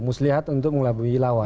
muslihat untuk melabui lawan